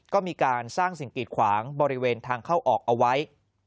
ก็มีการสร้างสิ่งกีดขวางบริเวณทางเข้าออกเอาไว้